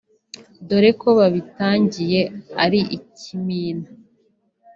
dore ko babitangiye ari ikimina